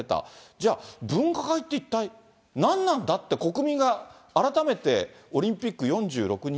じゃあ、分科会って一体何なんだって、国民が改めてオリンピック４６日？